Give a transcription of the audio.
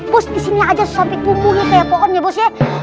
bos disini aja susah pimpunya kayak pohon ya bos